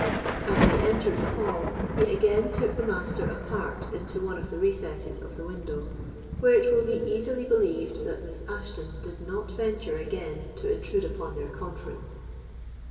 As they entered the hall, he again took the Master apart into one of the recesses of the window, where it will be easily believed that Miss Ashton did not venture again to intrude upon their conference.